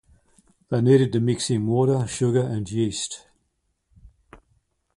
They needed to mix in water, sugar, and yeast.